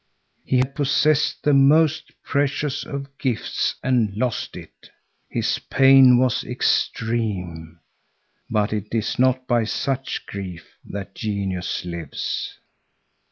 He had possessed the most precious of gifts and lost it. His pain was extreme.—But it is not by such grief that genius lives.